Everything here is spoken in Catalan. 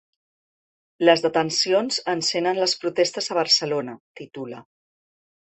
Les detencions encenen les protestes a Barcelona, titula.